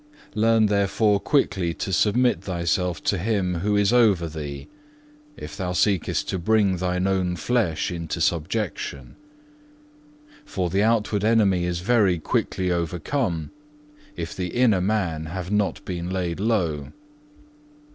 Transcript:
Learn therefore quickly to submit thyself to him who is over thee, if thou seekest to bring thine own flesh into subjection. For the outward enemy is very quickly overcome if the inner man have not been laid low.